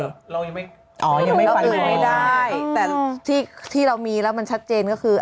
เรายังไม่อ๋อยังไม่ฟันเราไม่ได้แต่ที่ที่เรามีแล้วมันชัดเจนก็คือ